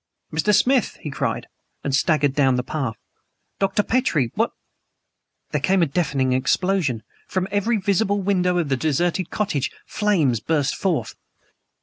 "Mr. Smith!" he cried and staggered down the path "Dr. Petrie! What " There came a deafening explosion. From EVERY visible window of the deserted cottage flames burst forth!